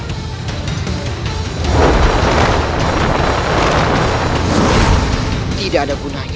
aku akan menang